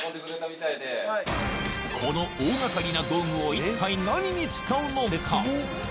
この大掛かりな道具を一体何に使うのか？